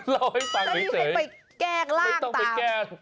เล้วให้ฟังกิ๊กเศ๋งเราอยู่ทางไปแก้ร่างตาม